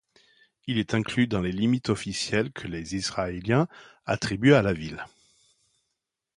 Il est inclus dans les limites officielles que les Israéliens attribuent à la ville.